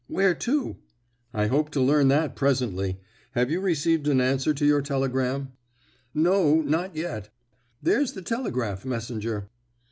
"Where to?" "I hope to learn that presently. Have you received an answer to your telegram?" "No, not yet. There's the telegraph messenger."